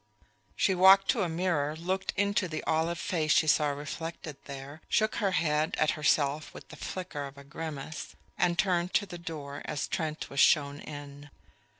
She walked to a mirror, looked into the olive face she saw reflected there, shook her head at herself with the flicker of a grimace, and turned to the door as Trent was shown in.